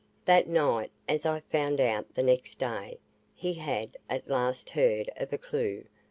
That night, as I found out the next day, he had at last heard of a clue.